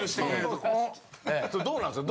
それどうなんですか？